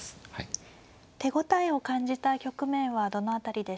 手応えを感じた局面はどの辺りでしょうか。